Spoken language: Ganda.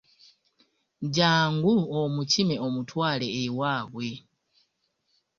Jjangu omukime omutwale ewaabwe.